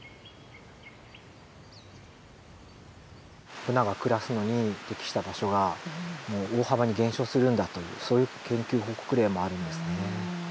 ブナが暮らすのに適した場所が大幅に減少するんだというそういう研究報告例もあるんですね。